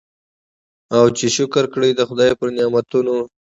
او چي شکر کړي د خدای پر نعمتونو